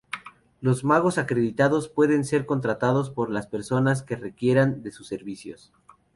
Los magos acreditados pueden ser contratados por las personas que requieran de sus servicios.